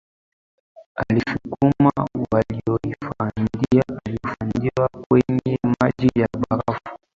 alisukuma waliohifadhiwa kwenye maji ya barafu